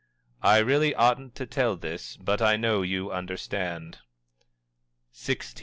"I really oughtn't to tell this, but I know you understand." XVI.